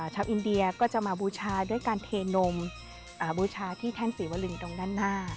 ชาวอินเดียก็จะมาบูชาด้วยการเทนมบูชาที่แท่นศรีวรีตรงด้านหน้า